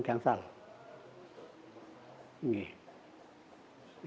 jadi itu harus ditumbuk